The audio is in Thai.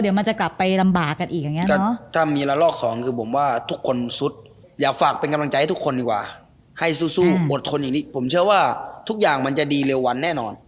อยากฝากเป็นกำลังใจให้ทุกคนดีกว่าให้สู้สู้อดทนอย่างนี้ผมเชื่อว่าทุกอย่างมันจะดีเร็ววันแน่นอน